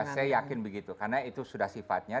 saya yakin begitu karena itu sudah sifatnya